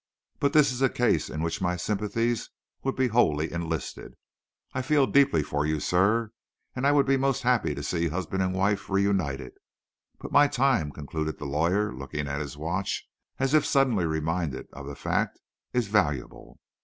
But this is a case in which my sympathies would be wholly enlisted. I feel deeply for you sir, and I would be most happy to see husband and wife reunited. But my time," concluded the lawyer, looking at his watch as if suddenly reminded of the fact, "is valuable."